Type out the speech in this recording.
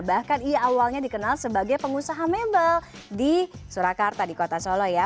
bahkan ia awalnya dikenal sebagai pengusaha mebel di surakarta di kota solo ya